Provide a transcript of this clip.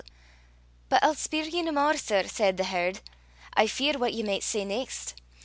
But I'll speir ye nae mair, sir, said the herd. I fear what ye micht say neist.